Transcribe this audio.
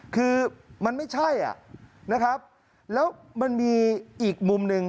คือมันไม่ใช่นะครับแล้วมันมีอีกมุมหนึ่ง